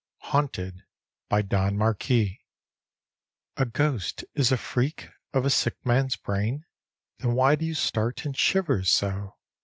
HAUNTED : don marquis A ghost is a freak of a sick man's brain? Then why do you start and shiver so?